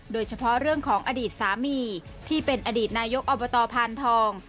โดยเฉพาะเรื่องของอดีตสามีที่เป็นอดีตนายกอบตพานทอง